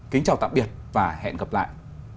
kính chào tạm biệt và hẹn gặp lại